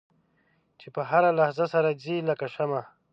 چې په هره لحظه سر ځي لکه شمع.